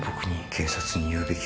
警察に言うべきか？」